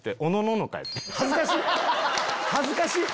恥ずかしい！